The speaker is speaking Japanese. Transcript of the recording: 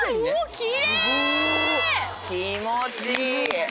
気持ちいい。